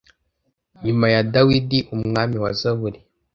nyuma ya dawidi umwami wa zaburi